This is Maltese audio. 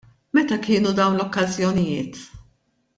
Meta kienu dawn l-okkażjonijiet?